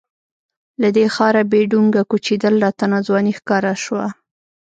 له دې ښاره بې ډونګه کوچېدل راته ناځواني ښکاره شوه.